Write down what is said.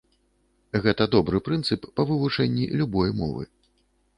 Гэта добры прынцып па вывучэнні любой мовы.